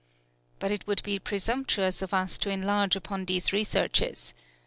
But it would be presumptuous of us to enlarge upon these researches.